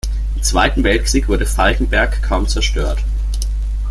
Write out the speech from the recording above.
Im Zweiten Weltkrieg wurde Falkenberg kaum zerstört.